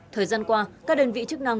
thời gian qua các đơn vị chức năng